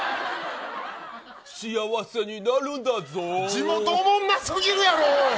地元おもんなすぎるやろ。